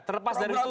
terlepas dari itu